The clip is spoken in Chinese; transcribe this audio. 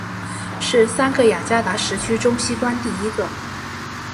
是三个雅加达时区中西端第一个。